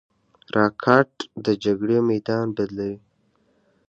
راکټ د جګړې میدان بدلوي